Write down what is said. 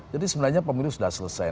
jadi sebenarnya pemilu sudah selesai